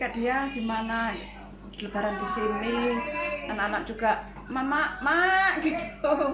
di mana lebaran di sini anak anak juga mama gitu